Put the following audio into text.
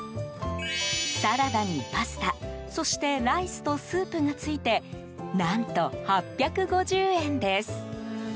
サラダにパスタそして、ライスとスープがついて何と８５０円です。